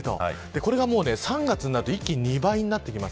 これが３月になると一気に２倍になります。